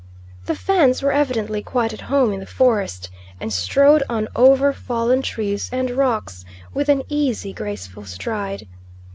The Fans were evidently quite at home in the forest, and strode on over fallen trees and rocks with an easy, graceful stride.